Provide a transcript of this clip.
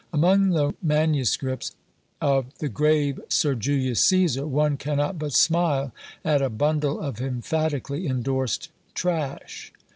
Among the manuscripts of the grave Sir Julius CÃḊsar, one cannot but smile at a bundle emphatically endorsed "Trash."